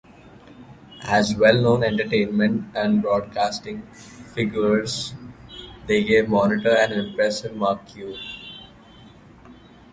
As well-known entertainment and broadcasting figures, they gave "Monitor" an impressive marquee.